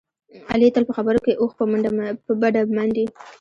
علي تل په خبرو کې اوښ په بډه منډي.